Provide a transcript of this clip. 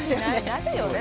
なるよね